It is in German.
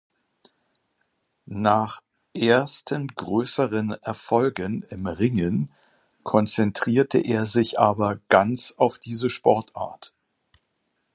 Nach ersten größeren Erfolgen im Ringen konzentrierte er sich aber ganz auf diese Sportart.